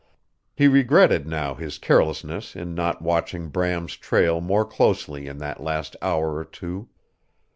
He regretted now his carelessness in not watching Brain's trail more closely in that last hour or two.